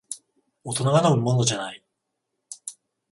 大人が飲むものじゃない